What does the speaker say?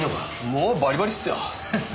もうバリバリですよ！